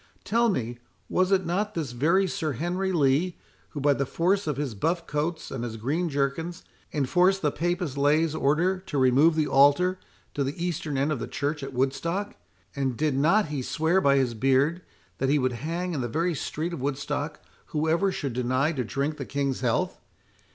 Tell me, was it not this very Sir Henry Lee, who, by the force of his buffcoats and his greenjerkins, enforced the Papist Laie's order to remove the altar to the eastern end of the church at Woodstock?—and did not he swear by his beard, that he would hang in the very street of Woodstock whoever should deny to drink the King's health?